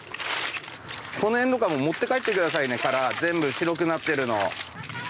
この辺とかも持って帰ってくださいね殻全部白くなってるの。